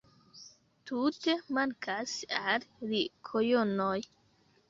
Tute mankas al li kojonoj